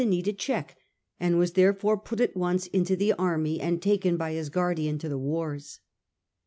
need a check, and was therefore put at once into the army, and taken by his guardian to the wars.